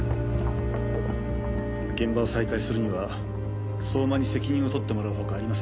現場を再開するには相馬に責任を取ってもらうほかありませんでした。